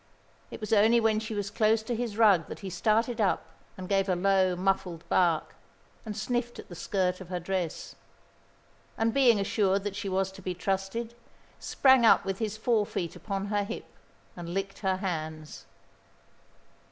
It was only when she was close to his rug that he started up and gave a low, muffled bark, and sniffed at the skirt of her dress, and being assured that she was to be trusted, sprang up with his fore feet upon her hip and licked her hands.